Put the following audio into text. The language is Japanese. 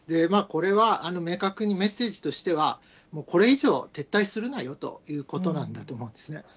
これは明確にメッセージとしては、もうこれ以上は撤退するなよということなんだと思うんですよね。